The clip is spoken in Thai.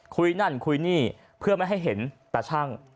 คุยนั่นคุยนี่เพื่อไม่ให้เห็นตาชั่ง